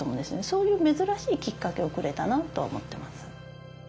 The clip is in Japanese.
そういう珍しいきっかけをくれたなと思ってます。